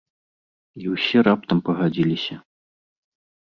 І ўсе раптам пагадзіліся.